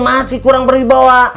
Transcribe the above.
masih kurang berwibawa